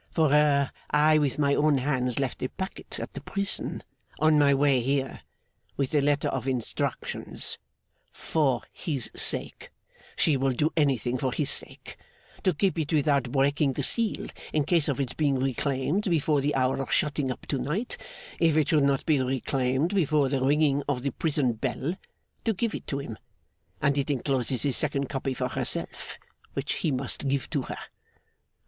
For her I with my own hands left a packet at the prison, on my way here, with a letter of instructions, "for his sake" she will do anything for his sake to keep it without breaking the seal, in case of its being reclaimed before the hour of shutting up to night if it should not be reclaimed before the ringing of the prison bell, to give it to him; and it encloses a second copy for herself, which he must give to her.